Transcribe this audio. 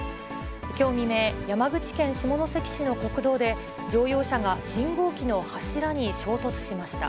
きょう未明、山口県下関市の国道で、乗用車が信号機の柱に衝突しました。